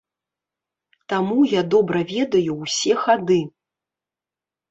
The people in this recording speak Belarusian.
Таму я добра ведаю ўсе хады.